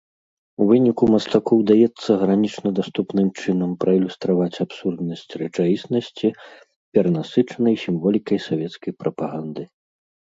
У выніку мастаку ўдаецца гранічна даступным чынам праілюстраваць абсурднасць рэчаіснасці, перанасычанай сімволікай савецкай прапаганды.